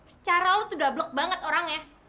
secara lu tuh udah blok banget orangnya